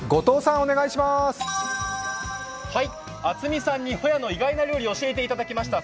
渥美さんにホヤの意外な料理を教えてもらいました。